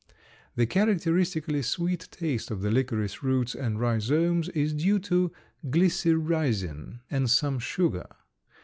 The characteristically sweet taste of the licorice roots and rhizomes is due to glycyrrhizin and some sugar.